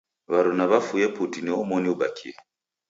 W'aruna w'afue putu ni omoni ubakie